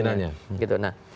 pimpinannya gitu nah